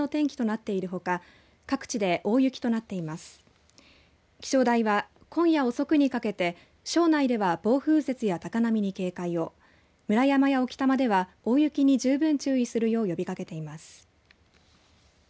気象台は今夜遅くにかけて庄内では暴風雪や高波に警戒を村山や置賜では、大雪に十分注意するよう呼びかけています。